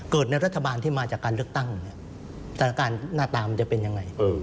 ในรัฐบาลที่มาจากการเลือกตั้งเนี่ยสถานการณ์หน้าตามจะเป็นยังไง